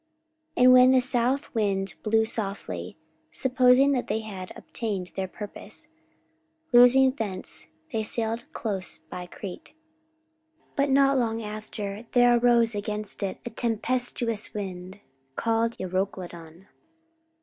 44:027:013 And when the south wind blew softly, supposing that they had obtained their purpose, loosing thence, they sailed close by Crete. 44:027:014 But not long after there arose against it a tempestuous wind, called Euroclydon.